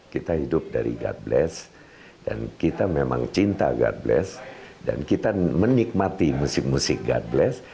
kita hidup dari god bless dan kita memang cinta god bless dan kita menikmati musik musik god bless